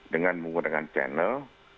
dengan menggunakan channel